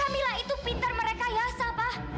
pak kamila itu pinter merekayasa pak